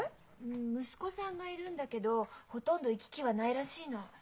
うん息子さんがいるんだけどほとんど行き来はないらしいの。